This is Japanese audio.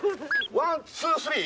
ワンツースリー？